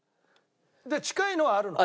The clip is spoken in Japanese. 近いのはあるの？